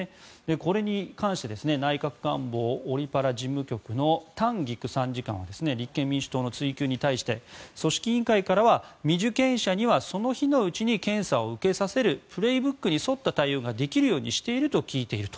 これに関して内閣官房オリ・パラ事務局の丹菊参事官は立憲民主党の追及に対して組織委員会からは未受検者にはその日のうちに検査を受けさせる「プレーブック」に沿った対応ができるようにしていると聞いていると。